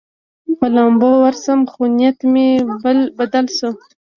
په لامبو ورسوم، خو نیت مې بدل شو.